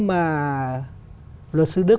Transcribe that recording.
mà luật sư đức